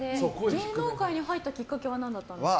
芸能界に入ったきっかけは何だったんですか？